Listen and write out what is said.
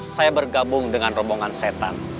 saya bergabung dengan rombongan setan